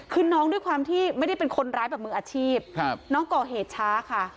คือน้องด้วยความที่ไม่ได้เป็นคนร้ายแบบมืออาชีพน้องก่อเหตุช้าค่ะ